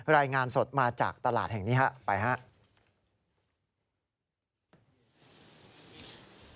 รายงานสดมาจากตลาดแห่งนี้ครับไปครับ